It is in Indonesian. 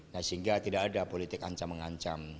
nah sehingga tidak ada politik ancam mengancam